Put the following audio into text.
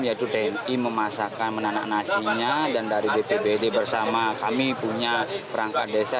yaitu tni memasakkan menanak nasinya dan dari bpbd bersama kami punya perangkat desa